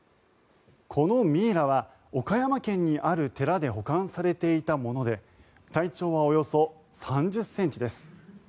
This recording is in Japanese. このミイラは岡山県にある寺で保管されていたもので体長はおよそ３０ｃｍです。